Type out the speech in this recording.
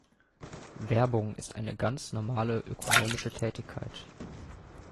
Werbung ist eine ganz normale ökonomische Tätigkeit.